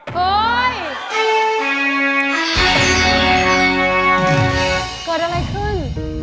เกิดอะไรขึ้น